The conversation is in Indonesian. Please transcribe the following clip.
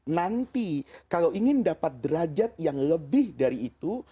nanti kalau ingin dapat derajat yang lebih dari itu